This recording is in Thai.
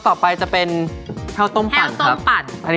ต่อไปจะเป็นแห้วต้มปั่นครับ